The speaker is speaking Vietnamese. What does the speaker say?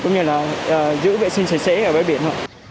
cũng như là giữ vệ sinh sạch sẽ ở bãi biển họ